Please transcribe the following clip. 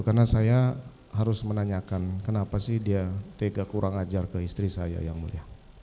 karena saya harus menanyakan kenapa sih dia tega kurang ajar ke istri saya ya mulia